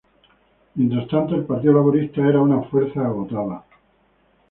Mientras tanto, el Partido Laborista era una fuerza agotada.